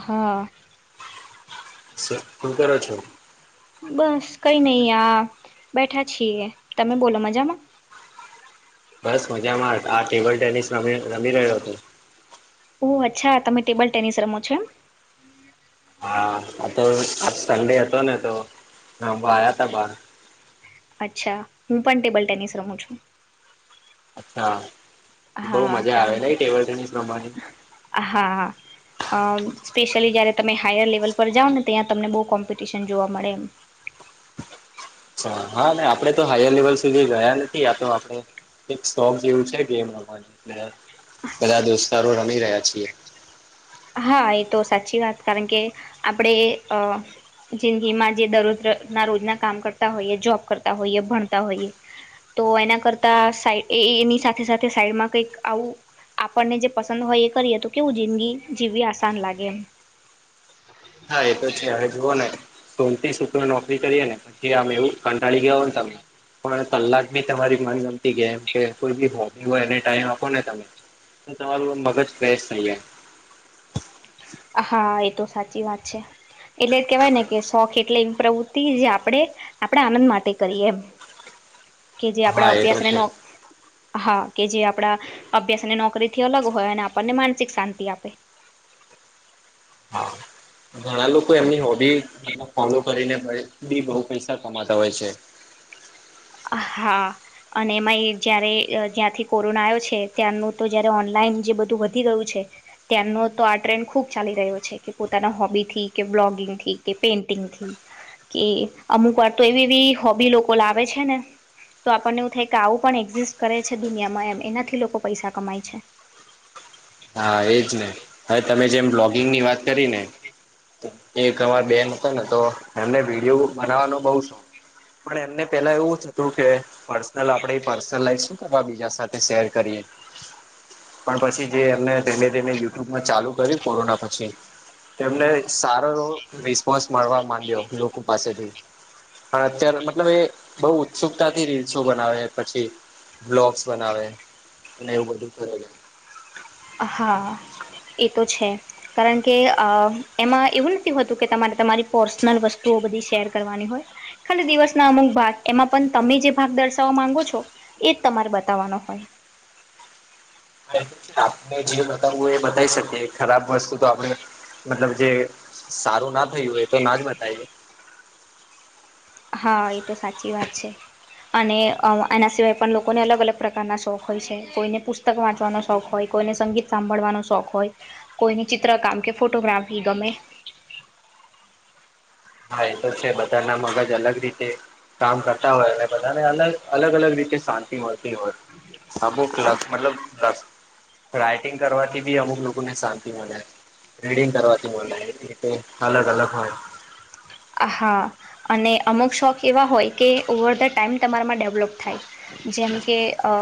હા સર શું કરો છો? બસ કઈ નઈ આ બેઠા છીએ, તમે બોલો મજામાં? બસ મજામાં આ ટેબલ ટેનિસ ર રમી રહ્યો હતો. ઓહ અચ્છા તમે ટેબલ ટેનિસ રમો છોમ? હા તો આ સન્ડે હતો ને તો, અંબા આવયા ત બાર. અચ્છા હું પણ ટેબલ ટેનિસ રહું છું. અચ્છા, બહુ હા મજા આવેલા ટેબલ ટેનિસ પ્રમાણે? હા હા. અ સ્પેશ્યયલી જયારે તમે હાયર લેવલ પર જાઓ ને ત્યાં તમને બહુ કોમ્પિટિશન જોવા મળે એમ. અ્ા હા આપડે તો હાયર લેવલ સુધી ગયા નથી આ તો આપડે એક શોખ જેવું છે ગેમ રમવાનું, બધા દોસ્તારો રમી રહ્યા છીએ. હા એ તો સાચી વાત કારણ કે, આપણે અ જિંદગી માં જે દરરોજ ના રોજના કામ કરતા હોઈએ જોબ કરતા હોઈએ ભણતા હોઈએ. તો એના કરતા સાઈ એ એની સાથે સાથે સાઈડમાં કઈક આવું આપણને જે પસંદ હોય એ કરીએ તો કેવું જિંદગી જીવવી આસાન લાગે એમ. હા એ તો છે હવે જુઓ ને, સોનતી સૂત્ર નોકરી કરીએ ને. કેમ એવું કંટાળી ગયા હો ને તમે, પણ કલાક તમારી મનગમતી ગમ કે કોઈ બી હોબી હોય એ ટાઈમ આપો ને તમે. તમારું મગજ ફેશ થઈ જાય. હા એ તો સાચી વાત છે. એટલે કેહેવાય ને કે શોખ એટલે એવી પ્રવૃત્તિ જે આપડણે આપણે આનંદ માટે કરીએ કે જે આપડા હા એ તો અભ્યાસને છે નો, હા કે જે આપડા અભ્યાસ અને નોકરી થી અલગ હોય અને આપણને માનસિક શાંતિ આપે. હા ઘણા લોકો એમની હોબી મતલબ ફોલો કરીને પહી, બી બહુ પૈસા કમાતા હોય છે. હા. અને એમાંય જયારે જ્યાંથી કોરોના આવ્યો છે ત્યાંનું તો જયારે ઓનલાઈન જે બધું વધી ગયું છે. ત્યાંનો તો આ ટ્રેન્ડ ખુબ ચાલી રહ્યો છે કે પોતાના હોબીથી, કે બ્લોગિંગથી, કે પેઇન્ટિંગથી. કે અમુક વાર તો એવી એવી હોબી લોકો લાવે છે ને. તો આપણને એવું થાય કે આવું પણ એક્ઝિસ્ટ કરે છે દુનિયામાં એમ એનાથી લોકો પૈસા કમાય છે. હા એજ ને હવે તમે જેમ બ્લોગિંગ ની વાત કરી ને. એક એવા બેન હતો ને તો એમને વિડીયો બનાવવાનો બઉ શોખ, પણ એમને પહેલા એવું જ હતું કે. પર્સનલ આપણેે પર્સન લાઇફ શું કરવા બીજા સાથે શેર કરીએ પણ પછી જે, તેને તેને યુટ્યુબમાં ચાલુ કર્યું કોરોના પછી., તેમને સારો રિસ્પોન્સ મળવા માંડ્યો લોકો પાસેથી. પણ અત્યારે મતલબ એ બહુ ઉત્સુકતાથી રીલ્સો બનાવે પછી. બ્લોક્સ બનાવે અને એવું બધું કરે છે. હા એ તો છે. કારણ કે અ એમાં એવું નથી હોતું કે તમારે તમારી પર્સનલ વસ્તુઓ બધી શેર કરવાની હોય. ખાલી દિવસ ના અમુક ભાગ એમાં પણ તમે જે ભાગ દર્શાવવા માંગો છો. એજ તમારે બતાવવાનો હોય. આપણે જે બતાવું હોય એ બતાવી શકીએ ખરાબ વસ્તુ તો આપણે, મતલબ જે સારું ના થઈ હોય તો ના જ બતાઇએ. હા એ તો સાચી વાત છે. અને અ એના સિવાય પણ લોકોને અલગ અલગ પ્રકારના શોખ હોય છે કોઈને પુસ્ત પુસ્તક વાંચવાનો શોખ હોય, કોઈને સંગીત સાંભળવાનો શોખ હોય, કોઈને ચિત્ર કામ કે ફોટોગ્રાફી ગમે, હા એ તો છે બધાના મગજ અલગ રીતે, કામ કરતા હોય અને બધાને અલગ અલગ અલગ રીતે શાંતિ મળતી હોય. અમુક લખ મતલબ લખ રાઈટિંગ કરવાથી ભી અમુક લોકોને શાંતિ મળે, રીડિંગ કરવાથી મળે, અલગ અલગ હોય. હા અને અમુક શોખ એવા હોય, કે ઓવર ધ ટાઈમ તમારામાં ડેવલોપ થાય જેમ કે અ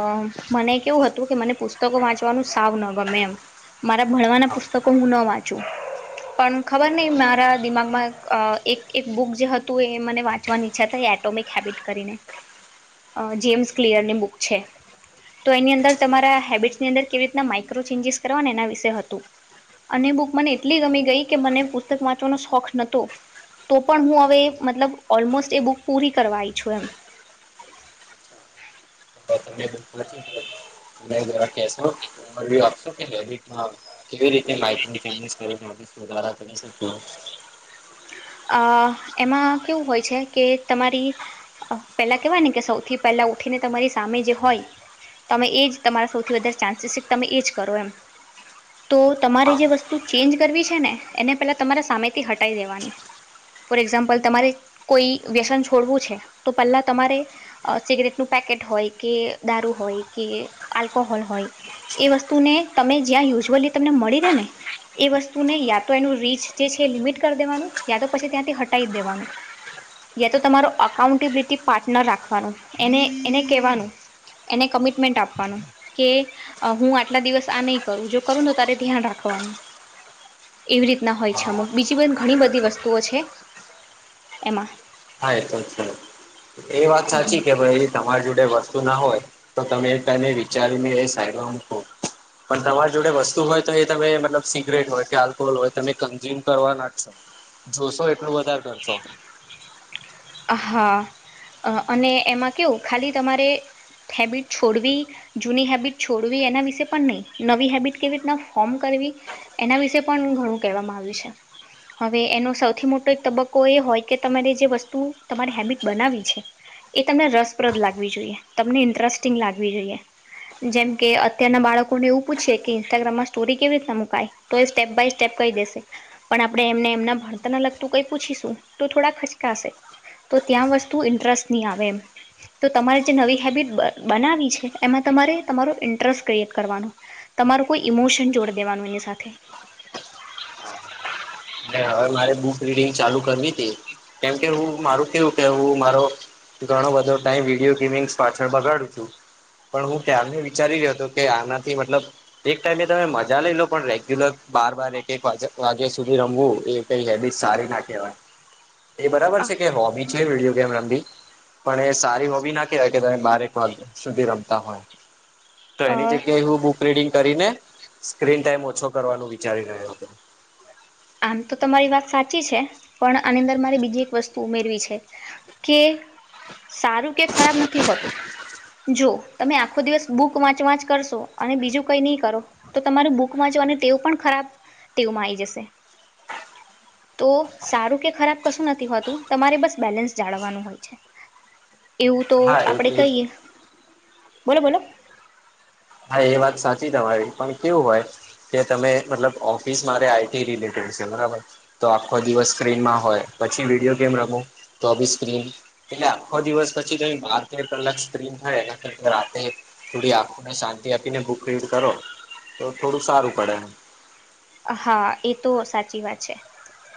મને કેવું હત કે મને પુસ્તકો વાંચવાનું સાવ ન ગમે એમ મારા ભણવાના પુસ્તકો હું ન વાચું, પણ ખબર નહી મારા દિમાગમાં અ એક, એક બુક જે હતું એ મને વાંચવાની ઈચ્છા થાયી એટોમિક હેબિટ કરીને, અ જેમ્સ ક્લિયર ની બુક છે. તો એની અંદર તમારા હેબિટ્સની અંદર કેવી રીતના માઇક્રો ચેન્જીસ કરવાના એના વિશે હતું. અને બુક મને એટલી ગમી ગઈ કે મને પુસ્તક વાંચવાનો શોખ નોતો, તો પણ હું હવે મતલબ ઓલમોસ્ટ એ બુક પૂરી કરવા આયી છું એમ, બ જરા કેસો [unintelligible] આપશું કે [unintelligible] હા કેવી રીતે માઈક્રો ચેન્જીસ કર આપાર કરીશ, [unintelligible] અ એમાં કેવું હોય છે કે તમારી, પેલા કેવાય ને કે સૌથી પહેલા ઉઠીને તમારી સામે જે હોય. તમે એ જ તમારા સૌથી વધારે ચાન્સીસ છે કે તમે એ જ કરો એમ. તો તમારે જે વસ્તુ ચેન્જ કરવી છે ને એને પહેલાં તમારે સામેથી હટાય દેવાની. ફોર એક્ઝામ્પલ તમારે કોઈ વ્યસન છોડવું છે, તો પહેલા તમારે અ સિગરેટ નું પેકેટ હોય કે દારૂ હોય કે આલ્કોહોલ હોય. એ વસ્તુને તમે જ્યાં યુઝ્યુલી તમને મળી રહે ને, એ વસ્તુને યા તો એનું રીચ જે છે એ લિમિટ કરી દેવાનું યા તો પછી ત્યાંથી હટાય દેવાનું. યા તો તમારો અકાઉન્ટેબિલિટી પાર્ટનર રાખવાનો, એને એને કેવાનું. એને કમિટમેન્ટ આપવાનું. કે, હું આટલા દિવસ આ નહી કરું જો કરું ને તારે ધ્યાન રાખવાનું. એવી રીતના હોય છે હા અમુક બીજી ઘણી બધી વસ્તુઓ છે, એમાં. હા એ તો, એ વાત એમાં સાચી કેવાય તમારી જોડે વસ્તુ ના હોય, તો તમે એક ટાઇમએ વિચારીને એ સહેમ. પણ તમારી જોડે વસ્તુ હોય તો એ તમે મતલબ સીગ્રેટ હોય કે આલ્કોહોલ હોય તમે કન્ઝ્યુમ કરવા નાખશો. જોશો એટલું વધારે કરશો. હા, અને એમાં કેવું ખાલી તમારે થેબિટ છોડવી. જૂની હેબિટ છોડવી એના વિશે પણ નહી નવી હેબિટ કેવી રીતના ફોર્મ કરવી. એના વિશે પણ હું ઘણું કહેવા માંગીશ, હવે એનો સૌથી મોટો એક તબક્કો કોઈ હોય કે તમારે જે વસ્તુ તમારી હેબિટ બનાવી છે. એ તમને રસપ્રદ લાગવી જોઈએ, તમને ઇન્ટરેસ્ટિંગ લાગવી જોઈએ. જેમ કે અત્યારના બાળકો ને એવું પૂછે કે ઇન્સ્ટાગ્રામમાં સ્ટોરી કેવી રીતના મુકાય? તો એ સ્ટેપ બાય સ્ટેપ કહી દેશે, પણ આપડણે એમને એમના ભણતાર લગતું કઈ પૂછીશ. તો થોડા ખચકાશે, તો ત્યાં વસ્તુ ઇન્ટરેસ્ટ નહી આવે એમ. તો તમારે જે નવી હેબિટ બનાવી છે એમાં તમારે તમારો ઇન્ટરેસ્ટ ક્રિએટ કરવાનો. તમારું કોઈ ઈમોશન જોડ દેવાનું એની સાથે. હવે મારે બુક રીડિંગ ચાલુ કરવી ત, કેમકે હું માર કેવું કે હું મારો ઘણો બધો ટાઈમ વિડીયો ગેમિંગસ પાછળ બગાડું છું. પણ હું ત્યારને વિચારી રહ્યો હતો કે આનાથી મતલબ એક ટાઈમે તમે મજા લઈ લો પણ રેગ્યુલર બાર બાર એક એક વાગ્યા સુ રમું કઈ હેબિટ સારી ના કહેવાય, એ બરાબર છે કે હો વિડિયો ગેમ રમવી. પણ એ સારી હોવી ના કહેવાય કે તમે બારેક વા સુધી રમતા હોય. તો અ એની જગ્યાએ હું બુક રીડિંગ કરીને સ્ક્રીન ટાઈમ ઓછો કરવાનું વિચારી રહ્યો હતો. આમ તો તમારી વાત સાચી છે, પણ આની અંદર મારે બીજી એક વસ્તુ ઉમેરવી છે. કે, સારું કે ખરાબ નથી હોતું. જો તમે આખો દિવસ બુક વાંચ વાંચ કરશો અને બીજું કઈ નહી કરો. તો તમારું બુક માં જો અને તેઓ પણ ખરાબ તેવમાં આ આવી જશે. તો સારું કે ખરાબ કશું નથી હોતું તમારે બસ બેલેન્સ જાળવાનું હોય છે. એવું તો હા આપડે એ કહીએ, બોલો બોલો. હા એ વાત સાચી તમારી પણ કેવું હોય. કે તમે મતલબ ઓફિસ મા આઈટી રિલેટેડ છે બરાબર. તો આખો દિવસ સ્ક્રીનમાં હોય પછી વિડીયો ગેમ રમું, તો બી સ્ક્રીન. એટલે આખો દિવસ પછી તો બાર તેર કલાક સ્ક્રીન થાય એ રાતે થોડી આંખોને શાંતિ આપીને બુક રીડ કરો, તો થોડું સારું પડે. હા એ તો સાચી વાત છે.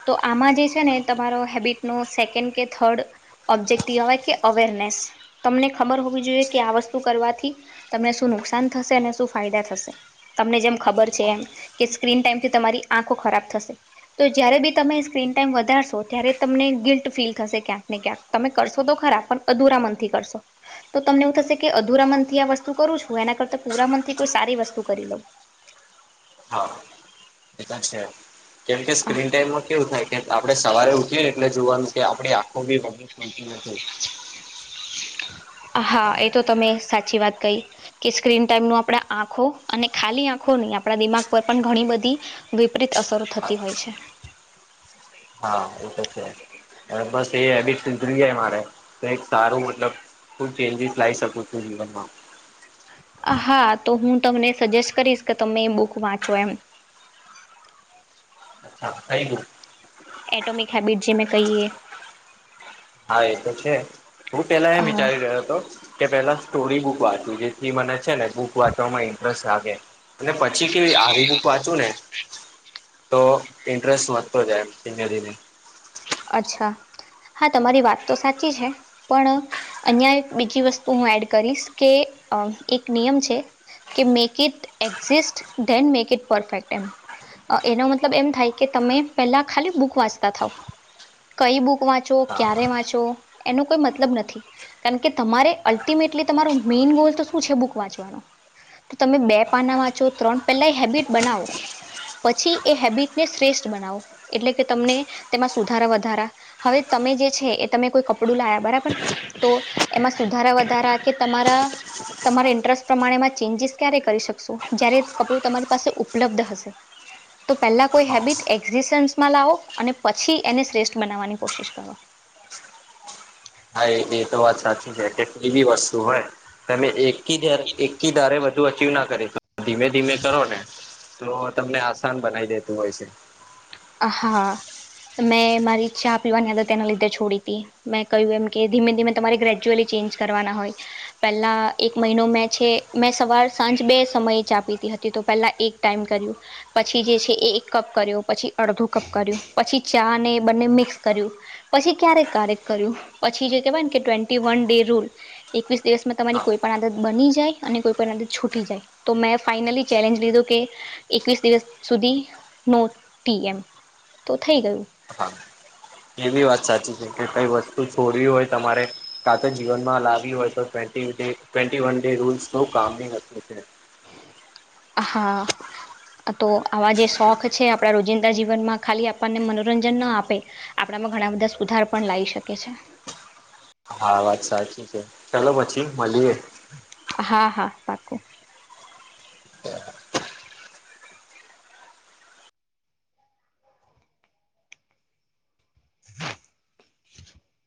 તો આમાં જે છે ને તમારો હેબિટ નો સેકન્ડ કે થર્ડ ઓબ્જેક્ટિવ આવેય કે અવેરનેસ તમને ખબર હોવી જોઈએ કે આ વસ્તુ કરવાથી તમને શું નુકસાન થશે અને શું ફાયદા થશે તમને જેમ ખબર છે એમ કે સ્ક્રીન ટાઈમ થી તમારી આંખો ખરાબ થશે. તો જયારે બી તમે સ્ક્રીન ટાઈમ વધારશો ત્યારે તમને ગિલ્ટ ફીલ થશે ક્યાંક ને ક્યાંક તમે કરશો તો ખરા પણ અધુરા મનથી કરશો તો તમને એવું થશે કે અધુરા મન થી આ વસ્તુ કરું છું એના કરતા પુરા મન થી કોઈ સારી વસ્તુ કરી લઉં. હા એ કરશે એમ કેમકે સ્ક્રીન ટાઈમમાં કેવું થાય આપણે સવારે ઉઠીએ એટલે જોવાનું કે આપડી આખું બી બધી ખૂલતી નથી હા એ તો તમે સાચી વાત કઈ. કે સ્ક્રીન ટાઈમ નો આપણે આંખો અને ખાલી આંખો નહી આપણા દિમાગ પર પણ ઘણી બધી વિપરીત અસરો થતી હોય છે. હા એ તો છે પણ બસ એ એવી છે સુધરી જાય મારે. ક એક સારું મતલબ હું ચેન્જીસ લાવી શકું છું જીવનમાં હા તો હું તમને સજેસ્ટ કરીશ કે તમે એ બુક વાંચો એમ. હા આઈ ગયું. એટોમિક હેબિટ જે મેં કહીએ. હા એ તો છે હું પેલા એમ હા વિચારી રહ્યો હતો. કે પેલા સ્ટોરી બુક વાંચું જેથી મને છે ને બુક વાંચવામાં ઇન્ટરેસ્ટ લાગે અને પછી કે આવી બુક વાંચું ને તો ઇન્ટરેસ્ટ વધતો જાય એમ ધીમે ધીમે અચ્છા હા તમારી વાત તો સાચી છે પણ અહિયાં એક બીજી વસ્તુ હું એડ કરીશ કે અ એક નિયમ છે. કે make it exist then make it perfect એમ. એનો મતલબ એમ થાય કે તમે પેલા ખાલી બુક વાંચતા થાવ કઈ બુક વાંચો હા ક્યારે વાંચો એનો કોઈ મતલબ નથી કારણ કે તમારે અલ્ટિમેટલી તમારો મેઈન ગોલ તો શું છે બુક વાંચવાનો તો તમે બે પાના વાંચો ત્રણ પહેલા હેબિટ બનાવો પછી એ હેબિટને શ્રેષ્ઠ બનાવો એટલે કે તમને તેમાં સુધારા વધારા હવે તમે જે છે એ તમે કોઈ કપડું લાયા બરાબર તો એમાં સુધારા વધારા કે તમારા તમારે ઇન્ટરેસ્ટ પ્રમાણેમાં ચેન્જીસ ક્યારે કરી શકશો જ્યારે કપડું તમારી પાસે ઉપલબ્ધ હશે તો પહેલા કોઈ હા હેબિટ એક્ઝિસ્ટન્સમાં લાવો અને પછી એને શ્રેષ્ઠ બનાવવાની કોશિશ કરો. હા એ તો વાત સાચી છે કે એવી વસ્તુ હોય તમે એક કી ધારે એક ધારે અચીવ ના કરી ધીમે ધીમે કરો ને તો તમને આસાન બનાવી દેતું હોય છે. હ હા મેં મારી ચા પીવાની આદત તેના લીધે છોડી હતી મેં કહ્યું એમ કે ધીમે ધીમે તમારી ગ્રેજ્યુઅલી ચેન્જ કરવાના હોય પહેલા એક મહિનો મેં છે મેં સવાર સાંજ બે સમય ચા પીતી હતી. તે તો પેલા એક ટાઈમ કર્યું પછી જે છે એ એક કપ કર્યો પછી અડધું કપ કર્યું પછી ચા ને બંને મિક્સ કર્યું પછી ક્યારેક કાર્યક કર્યું પછી જે કેહેવાય ને કે ટ્વેન્ટી વન ડે રૂલ એકવીસ દિવસમાં હા તમારી કોઈ પણ આદત બની જાય અને કોઈ પણ આદત છૂટી જાય તો મેં ફાાઈનલી ચેલેન્જ લીધું કે, એકવીસ દિવસ સુધી નો ટી એમ, તો થઈ ગયું. હા. એવી વાત સાચી છે કે કઈ વસ્તુ છોડવી હોય તમારે. કા તો જીવનમાં લાવી હોય તો વીસડે એકવીસ વન ડે રુલસ કામ હોતુ. હા. તો આવા જે શોખ છે આપણા રોજિંદા જીવનમાં ખાલી આપણને મનોરંજન ના આપે. આપણામાં ઘણા બધા સુધાર પણ લાવી શકે છે. હા વાત સાચી છે, ચાલો પછી મળીએ. હા હા. પાકુ હ [inaudible]